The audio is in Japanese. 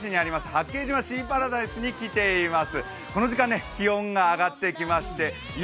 八景島シーパラダイスに来ています。